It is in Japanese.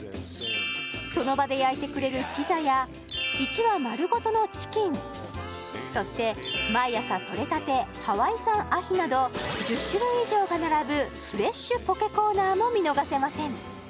その場で焼いてくれるピザや１羽丸ごとのチキンそして毎朝取れたてハワイ産アヒなど１０種類以上が並ぶフレッシュポケコーナーも見逃せません